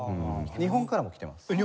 日本からも来てます。